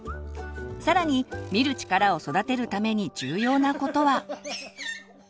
更に「見る力」を育てるために重要なことは。